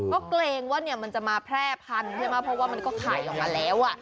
ก็เกรงว่ามันจะมาแพร่พันธุ์ใช่ไหมเพราะว่ามันก็ไข่ออกมาแล้ว